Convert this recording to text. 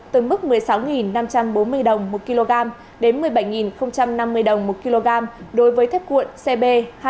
từ mức một mươi sáu năm trăm bốn mươi đồng một kg đến một mươi bảy năm mươi đồng một kg đối với thép cuộn cb hai nghìn một